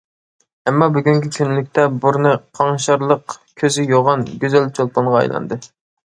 ئەمما بۈگۈنكى كۈنلۈكتە بۇرنى قاڭشارلىق، كۆزى يوغان گۈزەل چولپانغا ئايلاندى.